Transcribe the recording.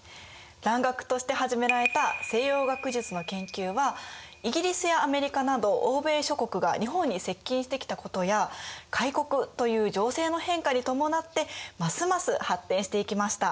蘭学として始められた西洋学術の研究はイギリスやアメリカなど欧米諸国が日本に接近してきたことや開国という情勢の変化にともなってますます発展していきました。